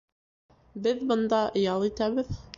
Беҙ бында ял итәбеҙ